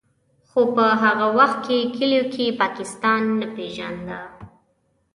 خو په هغه وخت کې کلیو کې پاکستان نه پېژانده.